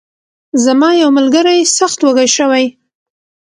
زما یو ملګری سخت وږی شوی.